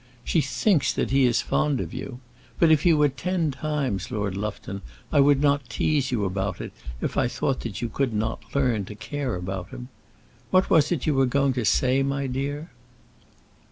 She thinks that he is fond of you. But if he were ten times Lord Lufton I would not tease you about it if I thought that you could not learn to care about him. What was it you were going to say, my dear?"